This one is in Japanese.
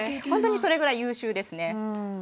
ほんとにそれぐらい優秀ですね。